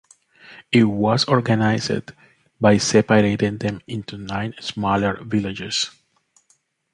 It was organized by separating them into nine smaller villages.